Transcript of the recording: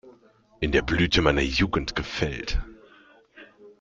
In der Blüte meiner Jugend gefällt.